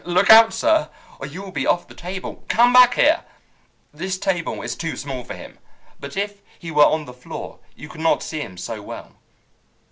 Look out, sir, or you will be off the table! Come back here! This table is too small for him, but if he were on the floor you could not see him so well.